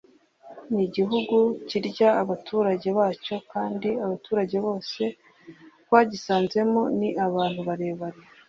ni igihugu kirya abaturage bacyo kandi abaturage bose twagisanzemo ni abantu barebare